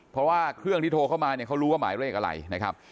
เพราะว่าเครื่องที่โทรเข้ามาเนี่ยเขารู้ว่าหมายเลขอะไรนะครับ